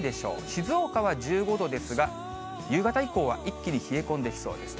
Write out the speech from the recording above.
静岡は１５度ですが、夕方以降は一気に冷え込んできそうです。